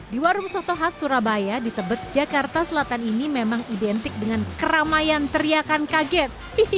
di warung soto khas surabaya di tebet jakarta selatan ini memang identik dengan keramaian teriakan kaget